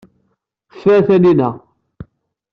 Tfa Taninna.